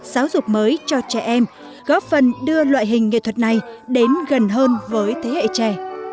giáo dục mới cho trẻ em góp phần đưa loại hình nghệ thuật này đến gần hơn với thế hệ trẻ